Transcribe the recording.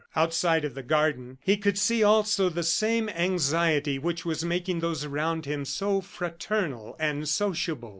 Outside of the garden he could see also the same anxiety which was making those around him so fraternal and sociable.